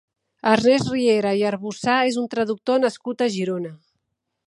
Ernest Riera i Arbussà és un traductor nascut a Girona.